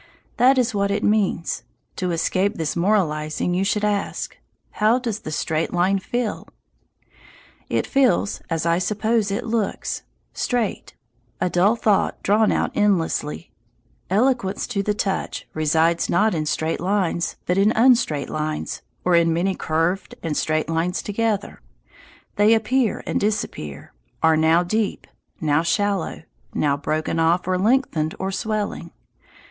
That is what it means. To escape this moralizing you should ask, "How does the straight line feel?" It feels, as I suppose it looks, straight a dull thought drawn out endlessly. Eloquence to the touch resides not in straight lines, but in unstraight lines, or in many curved and straight lines together. They appear and disappear, are now deep, now shallow, now broken off or lengthened or swelling.